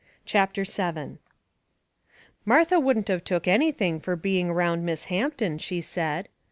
CHAPTER VII Martha wouldn't of took anything fur being around Miss Hampton, she said.